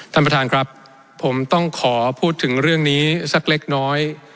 ท่านประธานครับผมต้องขอพูดถึงเรื่องนี้สักเล็กน้อย